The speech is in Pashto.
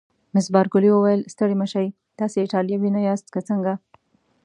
مس بارکلي وویل: ستړي مه شئ، تاسي ایټالوي نه یاست که څنګه؟